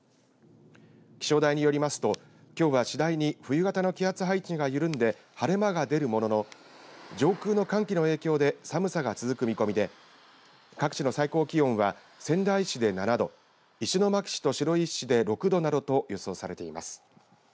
気象台によりますときょうは次第に冬型の気圧配置が緩んで晴れ間が出るものの上空の寒気の影響で寒さが続く見込みで各地の最高気温は仙台市で７度石巻市と白石市で６度などと予想されています。